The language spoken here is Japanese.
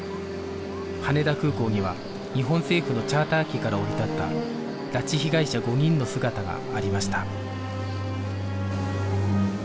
羽田空港には日本政府のチャーター機から降り立った拉致被害者５人の姿がありました